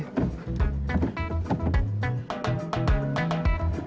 aduh gimana nih